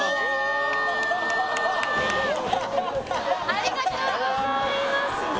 ありがとうございます